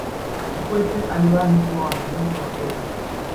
kikwete aliwahi kuwa waziri wa fedha